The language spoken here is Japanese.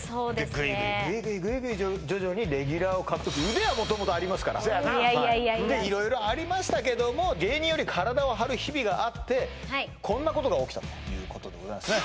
グイグイグイグイグイグイ徐々にレギュラーを獲得そやないやいやいやいや色々ありましたけども芸人より体を張る日々があってこんなことが起きたということでございますね